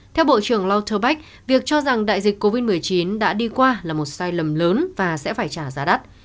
theo bộ trưởng louterbac việc cho rằng đại dịch covid một mươi chín đã đi qua là một sai lầm lớn và sẽ phải trả giá đắt